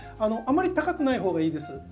あまり高くない方がいいです。